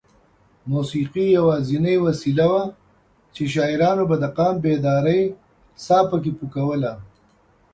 موسېقي یوازینۍ وسیله وه چې شاعرانو به د قام بیدارۍ ساه پکې پو کوله.